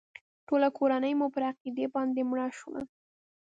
ټوله کورنۍ مې پر عقیده باندې مړه شول.